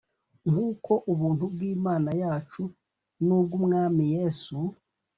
nk uko ubuntu bw Imana yacu n ubw Umwami Yesu